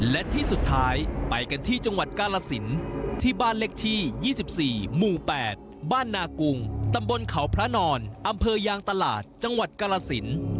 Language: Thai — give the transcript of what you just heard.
และที่สุดท้ายไปกันที่จังหวัดกาลสินที่บ้านเลขที่๒๔หมู่๘บ้านนากุงตำบลเขาพระนอนอำเภอยางตลาดจังหวัดกาลสิน